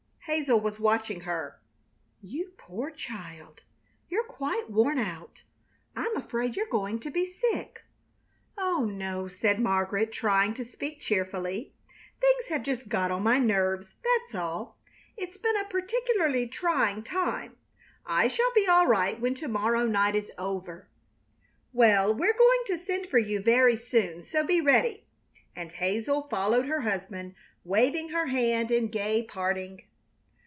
Hazel was watching her. "You poor child! You're quite worn out! I'm afraid you're going to be sick." "Oh no," said Margaret, trying to speak cheerfully; "things have just got on my nerves, that's all. It's been a particularly trying time. I shall be all right when to morrow night is over." "Well, we're going to send for you very soon, so be ready!" and Hazel followed her husband, waving her hand in gay parting.